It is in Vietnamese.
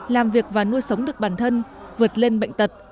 làm việc và nuôi sống được bản thân vượt lên bệnh tật